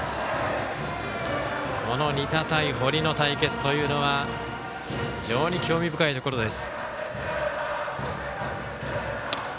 仁田対堀の対決というのは非常に興味深いところです。